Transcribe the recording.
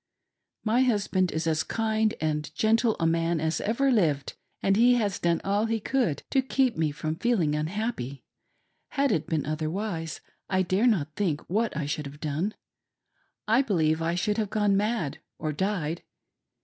My husband is as kind and gentle a man as ever lived, and he has done all he could to keep me from feeling unhappy ; had it been otherwise I dare not think what I should have done — I believe I should have gone mad or died.